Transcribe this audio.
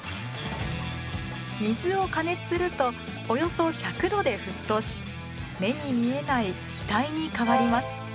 水を加熱するとおよそ１００度で沸騰し目に見えない気体に変わります。